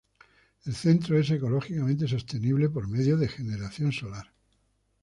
El centro es ecológicamente sostenible por medio de generación solar.